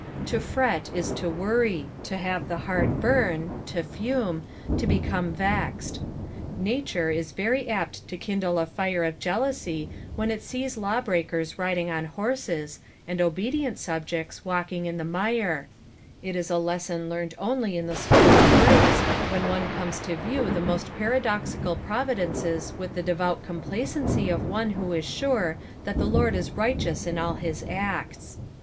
To fret is to worry, to have the heart bum, to fume, to l>eromc vexed. Nature is very apt to kindle a fire of jealousy when it sees law breakers riding on horses, and obedient subjecta walking in tlie mire : it is a lesson learned only in the acliool of gr^ce, when one comes to view the most paradoxical providences with the devout complacency of one who is sure that the Lord is righteous in all his acts.